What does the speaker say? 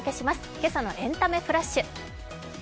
今朝の「エンタメダッシュ」。